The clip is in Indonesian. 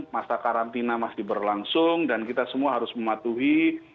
masa karantina masih berlangsung dan kita semua harus mematuhi